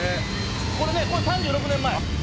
「これねこれ３６年前」